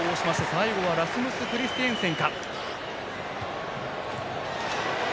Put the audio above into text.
最後はラスムス・クリステンセンか。